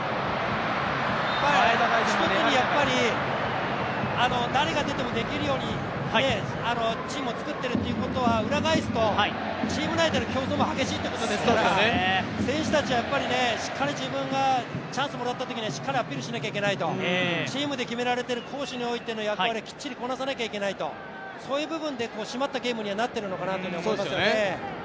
一つに、誰が出てもできるようにチームを作っているということは裏返すと、チーム内での競争も激しいということですから選手たちはしっかり自分がチャンスをもらったときにはしっかりアピールしないといけないと、チームで決められている攻守においての役割をきっちりこなさなくてはいけない、そういう部分で締まったゲームにはなっているのかなと思いますよね。